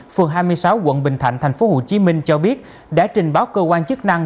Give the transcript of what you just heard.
phường hai mươi sáu quận bình thạnh tp hcm cho biết đã trình báo cơ quan chức năng